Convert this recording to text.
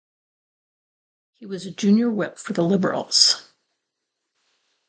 He was a junior whip for the Liberals.